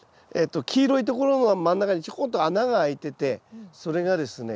黄色いところが真ん中にちょこんと穴があいててそれがですね